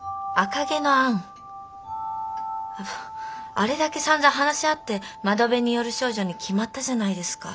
あれだけさんざん話し合って「窓辺に倚る少女」に決まったじゃないですか。